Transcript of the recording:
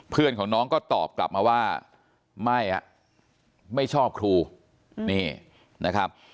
เพื่อนของน้องก็ตอบกลับมาว่าไม่อ่ะไม่ไม่ชอบครูนี่นะครับ